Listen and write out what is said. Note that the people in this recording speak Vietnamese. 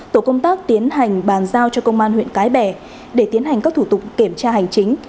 tổ công tác tiến hành bàn giao cho công an huyện cái bè để tiến hành các thủ tục kiểm tra hành chính